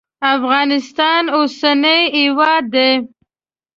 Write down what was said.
افغانستان اوسنی هیواد دی.